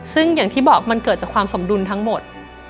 ซึ่งอย่างที่บอกมันเกิดจากความสมดุลทั้งหมด